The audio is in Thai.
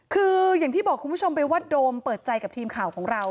คืออย่างที่บอกคุณผู้ชมไปว่าโดมเปิดใจกับทีมข่าวของเรา